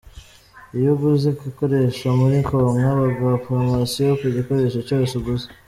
Iyo uguze igikoresho muri Konka baguha promosiyo ku gikoresho cyose uguze.